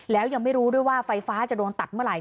แล้วยังไม่รู้ด้วยว่าไฟฟ้าจะโดนตัดเมื่อไห